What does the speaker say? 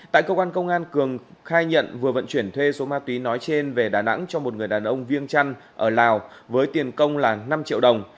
tại cơ quan công an cường khai nhận vừa vận chuyển thuê số ma túy nói trên về đà nẵng cho một người đàn ông viêng trăn ở lào với tiền công là năm triệu đồng